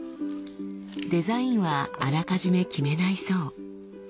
デザインはあらかじめ決めないそう。